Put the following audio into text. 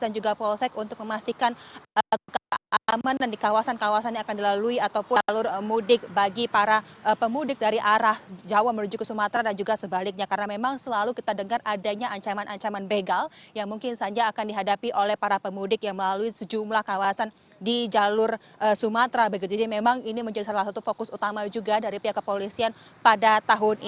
dan juga di sejumlah selat seperti selat bunda dan juga selat bali di mana memang akan adanya arus mudik begitu dari jawa menuju ke bali dan juga sebaliknya memang ini juga menjadi antisipasi utama dari pihak kepolisian